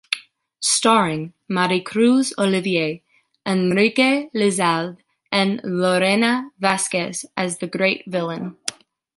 Starring Maricruz Olivier, Enrique Lizalde and Lorena Velázquez as the great villain.